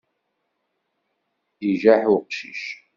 Ijaḥ uqcic.